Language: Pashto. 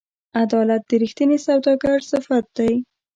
عدالت د رښتیني سوداګر صفت دی.